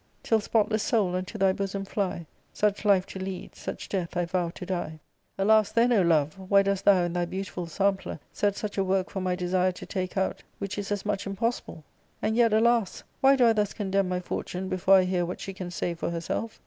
Till spotless soul unto thy bosom fly : Such life to lead, such death I vow to die." "Alas, then, O love, why dost thou in thy beautiful sampler set such a work for my desire to take out [copy] which is as much impossible. And yet, alas, why do I thus condemn my fortune before I hear what she can say for herself?